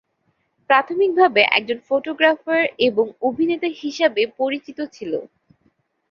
প্রাথমিকভাবে একজন ফটোগ্রাফার এবং অভিনেতা হিসাবে পরিচিত ছিলো।